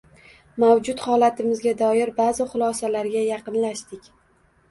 Mavjud holatimizga doir ba’zi xulosalarga yaqinlashdik.